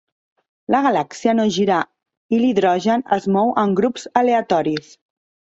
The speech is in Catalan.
La galàxia no gira i l'hidrogen es mou en grups aleatoris.